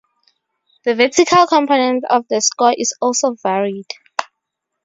The vertical component of the score is also varied.